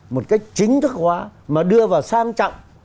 một cách chính thức hóa mà đưa vào sang trọng